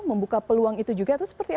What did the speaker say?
membuka peluang itu juga atau seperti apa